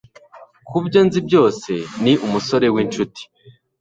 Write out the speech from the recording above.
Kubyo nzi byose, ni umusore winshuti.